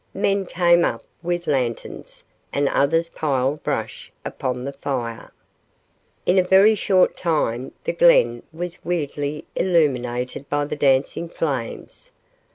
Men came up with lanterns and others piled brush upon the fire. In a very short time the glen was weirdly illuminated by the dancing flames.